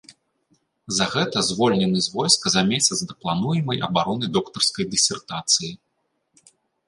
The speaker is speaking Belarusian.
За гэта звольнены з войска за месяц да плануемай абароны доктарскай дысертацыі.